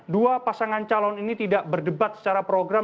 dua pasangan calon ini tidak berdebat secara program